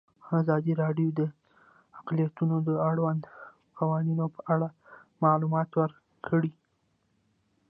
ازادي راډیو د اقلیتونه د اړونده قوانینو په اړه معلومات ورکړي.